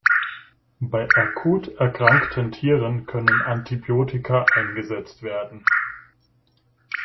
Bei akut erkrankten Tieren können Antibiotika eingesetzt werden.